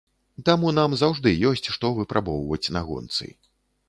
Таму нам заўжды ёсць што выпрабоўваць на гонцы.